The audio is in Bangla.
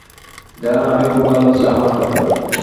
জানেন, আমি খুব ভালো চা বানাতে পারি।